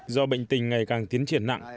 do bệnh tình ngày càng tiến triển nặng